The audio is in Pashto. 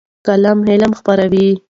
قلم علم خپروي.